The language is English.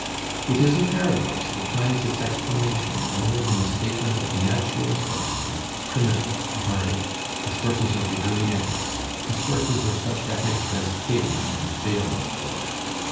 It is a paradox that finds its explanation only in a statement of natural sources, primitive, bardic, the sources of the early epics, the sources of such epics as Cædmon and Beowulf bore.